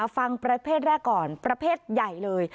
ฟังประเภทแรกก่อนประเภทใหญ่เลย